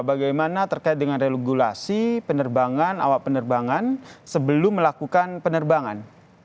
bagaimana terkait dengan regulasi penerbangan awak penerbangan sebelum melakukan penerbangan